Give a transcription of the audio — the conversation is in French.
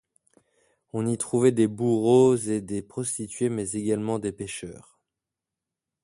On y trouvait des bourreaux et des prostitués mais également des pêcheurs.